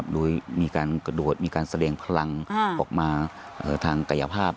โดยมีการกระโดดมีการแสดงพลังออกมาทางกายภาพ